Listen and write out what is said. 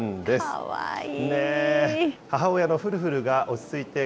かわいい。